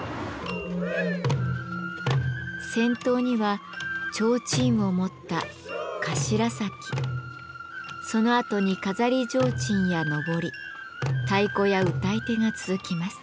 先頭には提灯を持ったそのあとに飾り提灯や幟太鼓や歌い手が続きます。